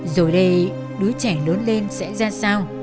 rồi đây đứa trẻ lớn lên sẽ ra sao